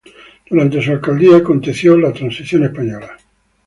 Durante su alcaldía aconteció la Transición Española.